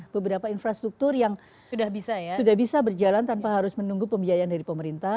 beberapa infrastruktur yang sudah bisa berjalan tanpa harus menunggu pembiayaan dari pemerintah